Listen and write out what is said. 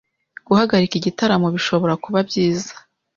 Guhagarika igitaramo bishobora kuba byiza,